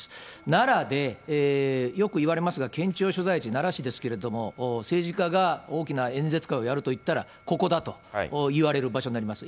奈良で、よくいわれますが、県庁所在地、奈良市ですけれども、政治家が大きな演説会をやるといったらここだといわれる場所になります。